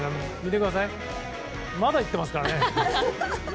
まだ言っていますからね。